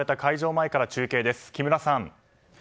前から中継です、木村さん。